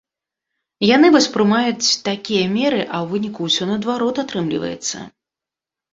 Яны вось прымаюць такія меры, а ў выніку ўсё наадварот атрымліваецца.